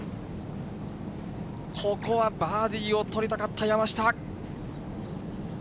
ここはバーディーを取りたかった、山下。